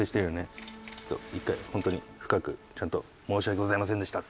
ちょっと１回本当に深くちゃんと「申し訳ございませんでした」